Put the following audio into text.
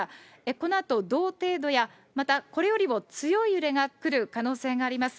このあと同程度やまたこれよりも強い揺れが来る可能性があります。